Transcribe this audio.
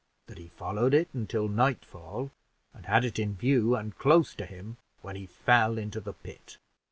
That he followed it until nightfall, and had it in view and close to him, when he fell into the pit."